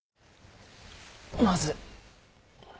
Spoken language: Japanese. まず。